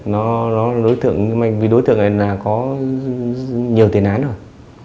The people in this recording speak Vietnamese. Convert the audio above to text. nó là đối tượng là có nhiều tiền án rồi